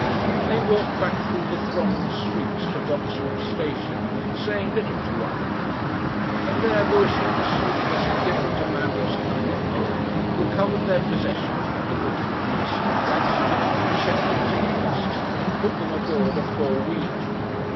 They walked back through the thronged streets to Vauxhall station, saying little to one another, and there Lewisham, assuming as indifferent a manner as he could command, recovered their possessions from the booking office by means of two separate tickets and put them aboard a four wheeler.